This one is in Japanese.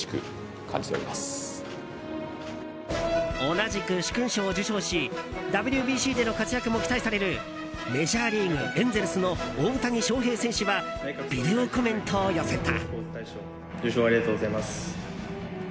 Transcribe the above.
同じく殊勲賞を受賞しＷＢＣでの活躍も期待されるメジャーリーグ、エンゼルスの大谷翔平選手はビデオコメントを寄せた。